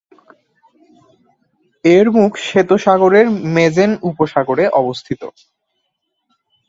এর মুখ শ্বেত সাগরের মেজেন উপসাগরে অবস্থিত।